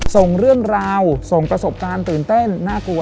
ส่งเรื่องราวส่งประสบการณ์ตื่นเต้นน่ากลัว